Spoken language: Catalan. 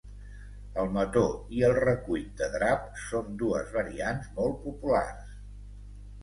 El mató i el recuit de drap són dues variants molt populars.